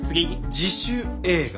自主映画。